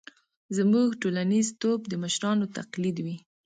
زموږ ټولنیزتوب د مشرانو تقلید وي.